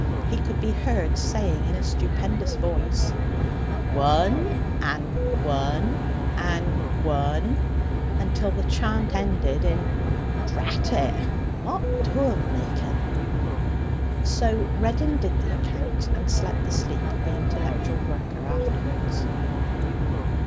He could be heard saying in a stupendous voice, 'One and one and one ' until the chant ended in, 'Drat it! what do 'em maken?' So Reddin did the accounts and slept the sleep of the intellectual worker afterwards.